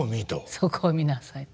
そこを見なさいと。